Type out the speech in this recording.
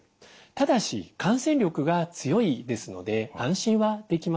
ただし感染力が強いですので安心はできません。